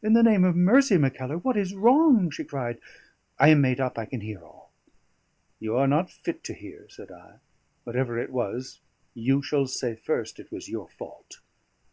In the name of mercy, Mackellar, what is wrong?" she cried. "I am made up; I can hear all." "You are not fit to hear," said I. "Whatever it was, you shall say first it was your fault."